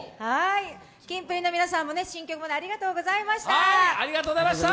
キンプリの皆さんも新曲ありがとうございました。